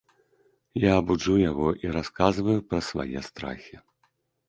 Я буджу яго і расказваю пра свае страхі.